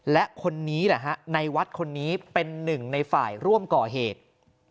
และในวัดคนนี้เป็นหนึ่งในฝ่ายร่วมก่อเหตุ